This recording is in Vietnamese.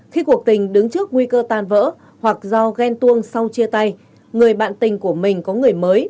khi cuộc tình đứng trước nguy cơ tàn vỡ hoặc do ghen tuông sau chia tay người bạn tình của mình có người mới